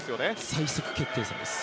最速決定戦です。